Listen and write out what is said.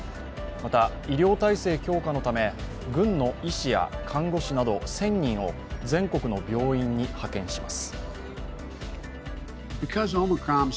また、医療体制強化のため軍の医師や看護師など１０００人を全国の病院に派遣します。